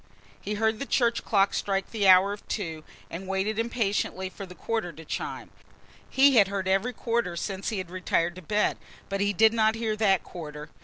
He heard the church clock strike the hour of two and waited impatiently for the quarter to chime he had heard every quarter since he had retired to bed. But he did not hear that quarter.